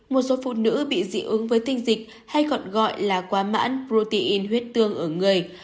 một số phụ nữ bị dị ứng với tinh dịch hay còn gọi là quá mãn protein huyết tương ở người